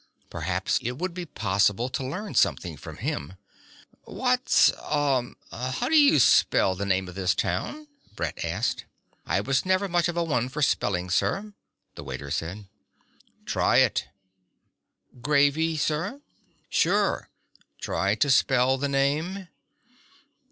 Perhaps it would be possible to learn something from him ... "What's ... uh ... how do you spell the name of this town?" Brett asked. "I was never much of a one for spelling, sir," the waiter said. "Try it." "Gravy, sir?" "Sure. Try to spell the name."